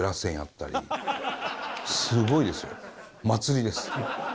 すごいですよ。